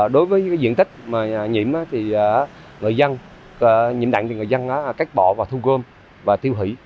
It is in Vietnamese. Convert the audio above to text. đối với diện tích nhiễm nặng thì người dân cắt bỏ và thu gom và tiêu hủy